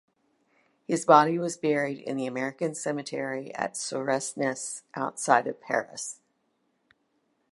His body was buried in the American cemetery at Suresnes, outside of Paris.